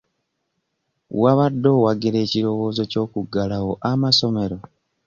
Wabadde owagira ekirowoozo ky'okuggalawo amasomero?